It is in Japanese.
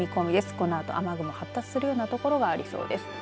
このあと雨雲発達するような所がありそうです。